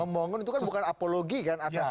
membangun itu kan bukan apologi kan